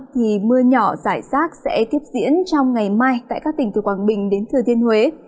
thì mưa nhỏ rải rác sẽ tiếp diễn trong ngày mai tại các tỉnh từ quảng bình đến thừa thiên huế